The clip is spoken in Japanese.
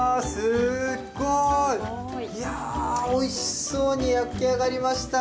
すごい！いやおいしそうに焼き上がりましたね。